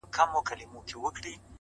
هغه شپه مي ټوله سندريزه وه،